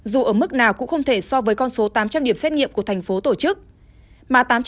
dù ở mức nào cũng không thể so với con số tám trăm linh điểm xét nghiệm của thành phố tổ chức